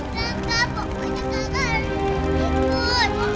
kakak pokoknya kakak harus ikut